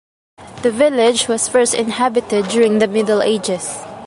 The village was first inhabited during the Middle Ages.